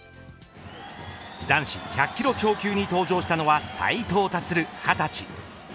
男子１００キロ超級に登場したのは、斉藤立、２０歳。